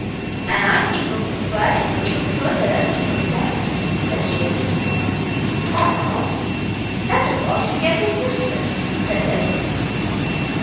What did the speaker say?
"And I think of inquiring a little further as to her poems," said Jane. "Oh, no! that is altogether useless," said Elsie.